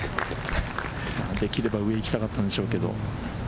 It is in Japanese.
できれば上に行きたかったんでしょうけれども。